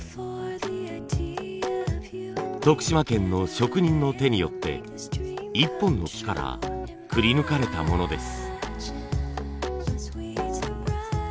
徳島県の職人の手によって１本の木からくりぬかれたものです。